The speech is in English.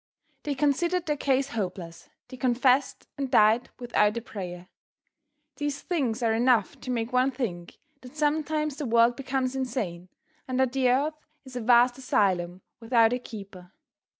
They considered their case hopeless; they confessed and died without a prayer. These things are enough to make one think that sometimes the world becomes insane and that the earth is a vast asylum without a keeper.